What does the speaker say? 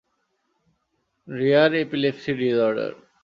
Rare epilepsy disorder.